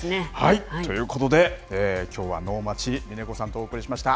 ということで、きょうは能町みね子さんとお送りしました。